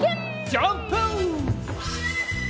ジャンプ！